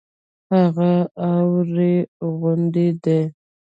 هغه اوارې غونډې دي.